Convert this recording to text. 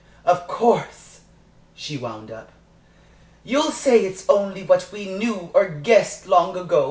"Of course," she wound up, "you'll say it's only what we knew or guessed long ago.